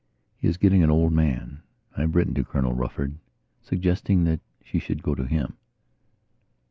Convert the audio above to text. He is getting an old man. I have written to Colonel Rufford, suggesting that she should go to him."